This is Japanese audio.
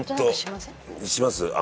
します。